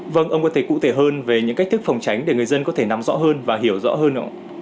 vâng ông có thể cụ thể hơn về những cách thức phòng tránh để người dân có thể nắm rõ hơn và hiểu rõ hơn